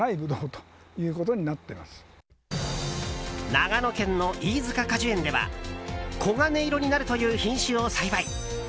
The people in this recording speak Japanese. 長野県の飯塚果樹園では黄金色になるという品種を栽培。